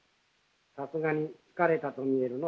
さすがに疲れたと見えるな。